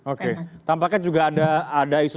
oke tampaknya juga ada isu